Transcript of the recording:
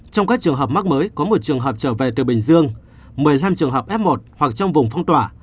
trong các trường hợp mắc mới có một trường hợp trở về từ bình dương một mươi năm trường hợp f một hoặc trong vùng phong tỏa